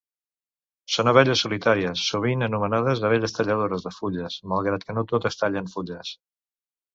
Són abelles solitàries sovint anomenades abelles talladores de fulles malgrat que no totes tallen fulles.